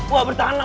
wah bertahanlah wak